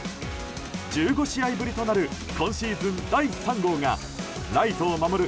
１５試合ぶりとなる今シーズン第３号がライトを守る